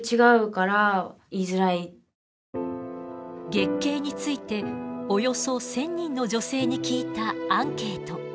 月経についておよそ１，０００人の女性に聞いたアンケート。